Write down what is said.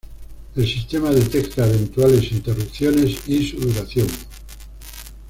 El sistema detecta eventuales interrupciones y su duración.